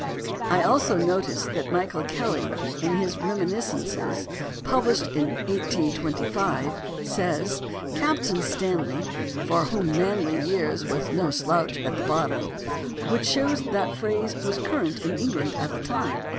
I also noticed that Michael Kelly in his Reminiscences, published in 1825 (vol. II, p. 54), says: "Captain Stanley, who for many years was no slouch at the bottle," which shows that the phrase was current in England at that time.